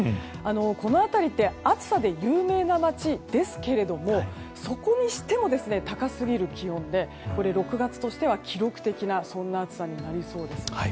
この辺りって暑さで有名な街ですけれどもそこにしても高すぎる気温で６月としては記録的な暑さになりそうです。